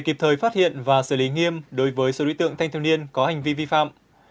công an tỉnh ninh bình đã phát hiện và xử lý nghiêm đối với số đối tượng thanh thiếu niên có hành vi vi phạm